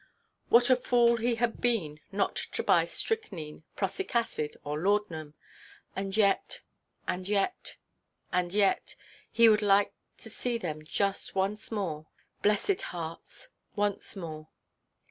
What a fool he had been not to buy strychnine, prussic acid, or laudanum! And yet—and yet—and yet——He would like to see them just once more—blessed hearts—once more.